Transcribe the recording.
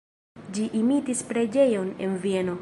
Ĝi imitis preĝejon en Vieno.